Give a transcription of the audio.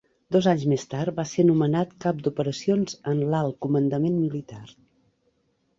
Dos anys més tard va ser nomenat cap d'operacions en l'alt comandament militar.